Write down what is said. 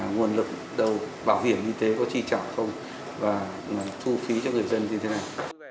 nguồn lực đầu bảo hiểm y tế có tri trọng không và thu phí cho người dân như thế nào